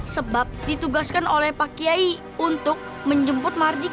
sebab ditugaskan oleh pak kiai untuk menjemput marjik